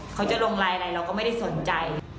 เขาจะลงไลน์อะไรเราก็ไม่ได้สนใจ